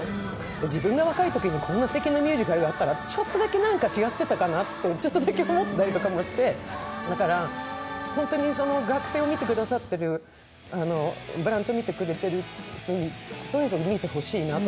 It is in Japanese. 自分が若いときにこんなすてきなミュージカルがあったらちょっとだけ何か違ってたかなって思ってたりとかもして、だから、本当に「ブランチ」を見てくださってる方にとにかく見てほしいなと。